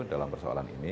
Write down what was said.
dalam persoalan ini